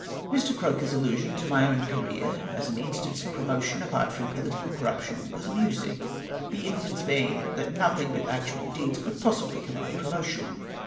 Mx. Croker 's allusion to my own career as an hi stance of promotion apart from political corruption, was amusing ; the inference being that nothing but actual deeds coidd possibly connnand promotion